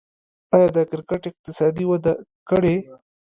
آیا د کرکټ اقتصاد وده کړې؟